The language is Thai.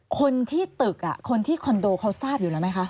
คนที่ตึกคนที่คอนโดเขาทราบอยู่แล้วไหมคะ